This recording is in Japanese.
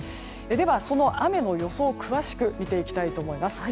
では、その雨の予想を詳しく見ていきたいと思います。